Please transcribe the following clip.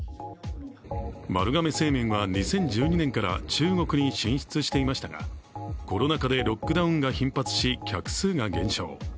丸亀製麺は２０１２年から中国に進出していましたがコロナ禍でロックダウンが頻発し、客数が減少。